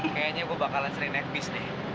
kayaknya gue bakalan sering naik bis nih